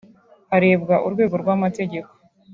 harebwa urwego rw’amategeko